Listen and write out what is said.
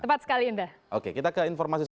tepat sekali indra